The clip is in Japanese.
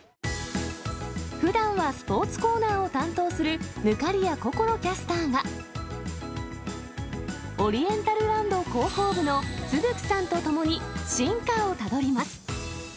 ふだんはスポーツコーナーを担当する忽滑谷こころキャスターが、オリエンタルランド広報部の津福さんと共に進化をたどります。